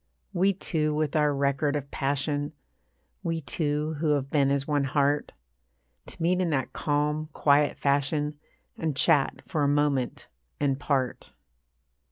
We two with our record of passion, We two who have been as one heart, To meet in that calm, quiet fashion, And chat for a moment and part.